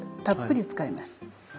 たっぷり使います。